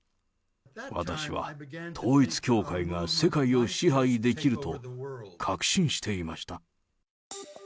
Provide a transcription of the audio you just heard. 私は、統一教会が世界を支配できると確信していました。